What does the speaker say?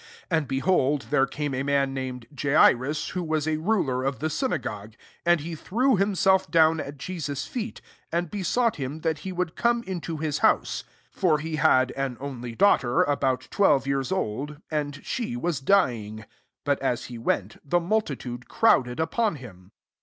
41 And, behold, there came a man named Jairus, who was a ruler of the synagogue : and he threw himself down at Jesus's feet, and besought him that he would come mto his house ; 4£ for he had an OBly daughter, about twelve years old, and she was dying. But as he went, the multitude crowded upon him.